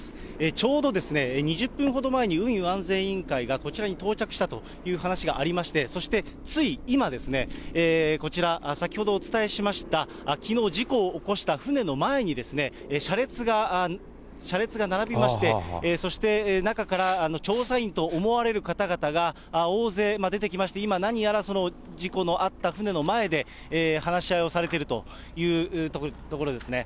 ちょうど２０分ほど前に、運輸安全委員会がこちらに到着したという話がありまして、そしてつい今ですね、こちら、先ほどお伝えしました、きのう事故を起こした船の前にですね、車列が並びまして、そして中から調査員と思われる方々が大勢出てきまして、今、何やらその事故のあった船の前で話し合いをされているというところですね。